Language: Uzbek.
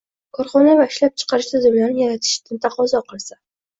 korxona va ishlab chiqarish tizimlarini yaratishni taqozo qilsa